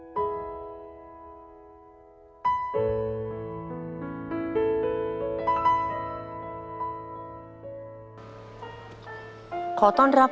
โปรดติดตามตอนต่อไป